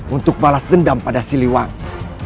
untuk balas dendam pada siliwangi